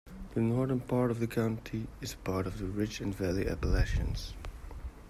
The northern part of the county is part of the Ridge-and-Valley Appalachians.